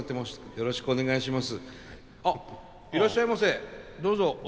よろしくお願いします。